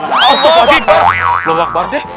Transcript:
astaghfirullahaladzim lo ngakbar deh